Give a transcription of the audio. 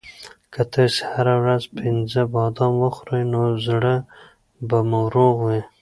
که تاسو هره ورځ پنځه بادام وخورئ نو زړه به مو روغ وي.